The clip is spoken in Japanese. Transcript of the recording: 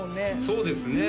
そうですね